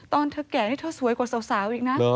ตอนเธอแก่นี่เธอสวยกว่าสาวอีกนะ